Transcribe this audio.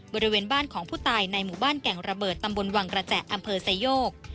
บริเวณบ้านของผู้ตายในหมู่บ้านแก่งระเบิดตำบลวังกระแจอำเภอไซโยก